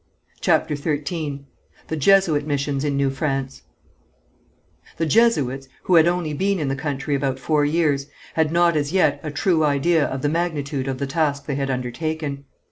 CHAPTER XIII THE JESUIT MISSIONS IN NEW FRANCE The Jesuits, who had only been in the country about four years, had not as yet a true idea of the magnitude of the task they had undertaken.